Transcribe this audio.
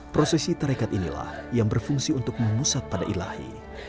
prosesi tarekat inilah yang berfungsi untuk memusat pada ilahi